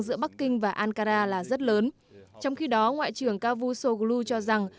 giữa bắc kinh và ankara là rất lớn trong khi đó ngoại trưởng kavusoglu cho rằng